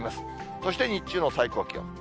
そして日中の最高気温。